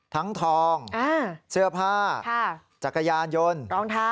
ทั้งทองเสื้อผ้าจักรยาญยนต์